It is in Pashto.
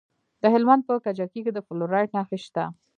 د هلمند په کجکي کې د فلورایټ نښې شته.